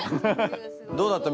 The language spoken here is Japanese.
どうだった？